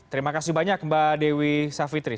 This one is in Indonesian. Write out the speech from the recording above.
terima kasih banyak mbak dewi savitri